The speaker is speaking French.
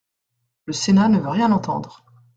Le sénat ne veut rien entendre.